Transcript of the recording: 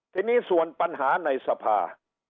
ทีนี้ส่วนปัญหาในสภา